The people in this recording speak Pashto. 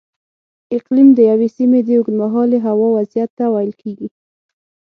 اقلیم د یوې سیمې د اوږدمهالې هوا وضعیت ته ویل کېږي.